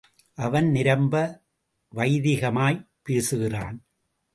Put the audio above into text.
அவன் நிரம்ப வைதிகமாய்ப் பேசுகிறான்.